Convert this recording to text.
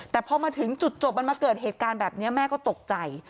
แต่พอมาถึงจุดจบมันมาเกิดเหตุการณ์แบบนี้แม่ก็ตกใจ